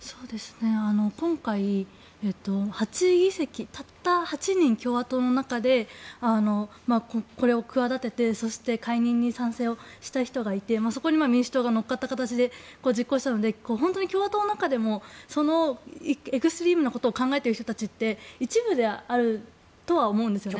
今回、８議席たった８人、共和党の中でこれを企ててそして解任に賛成をした人がいてそこに民主党が乗っかった形で実行したので本当に共和党の中でもエクストリームなことを考えている人たちって一部であるとは思うんですね。